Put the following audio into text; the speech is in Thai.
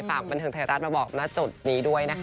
ฝากบันเทิงไทยรัฐมาบอกณจุดนี้ด้วยนะคะ